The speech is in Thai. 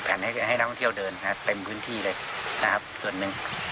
๔๐แผ่นให้นักท่องเที่ยวเดินเต็มพื้นที่เลยส่วนหนึ่ง